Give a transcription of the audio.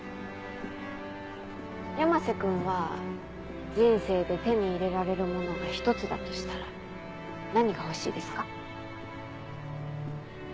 山瀬君は人生で手に入れられるものが一つだとしたら何が欲しいですか？